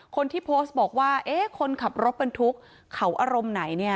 คนที่โพสต์บอกว่าคนขับรถเป็นทุกข์เขาอารมณ์ไหนเนี่ย